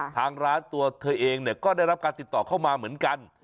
ทางร้านตัวเธอเองก็ได้รับการติดต่อเข้ามาเหมือนกัน